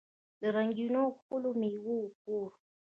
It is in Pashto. د رنګینو او ښکلو میوو کور.